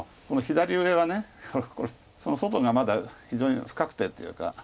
この左上は外がまだ非常に不確定というか。